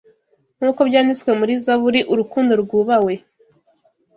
nkuko byanditswe murizaburi urukundo rwubawe